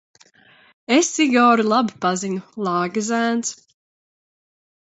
Es Igoru labi pazinu, lāga zēns.